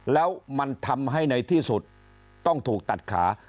แล้วมันทำให้ในที่สุดต้องถูกตัดขา